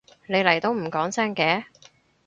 你嚟都唔講聲嘅？